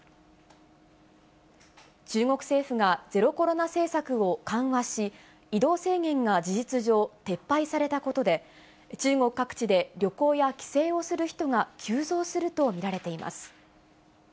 中国政府がゼロコロナ政策を緩和し、移動制限が事実上撤廃されたことで、中国各地で旅行や帰省をする人が急増すると見られています。